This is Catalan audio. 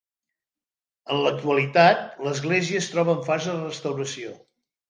En l'actualitat, l'església es troba en fase de restauració.